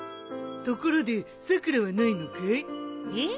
ところでさくらはないのかい？えっ？